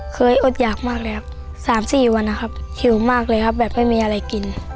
อดหยากมากเลยครับ๓๔วันนะครับหิวมากเลยครับแบบไม่มีอะไรกิน